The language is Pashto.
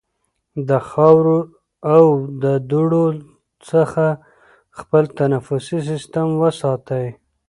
د خاورو او دوړو څخه خپل تنفسي سیستم وساتئ.